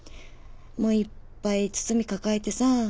もういっぱい包み抱えてさ。